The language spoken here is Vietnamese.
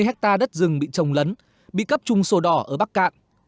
sáu trăm hai mươi hecta đất rừng bị trồng lấn bị cấp trung sổ đỏ ở bắc cạn